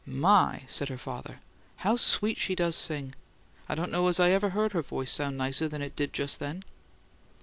"My!" said her father. "How sweet she does sing! I don't know as I ever heard her voice sound nicer than it did just then."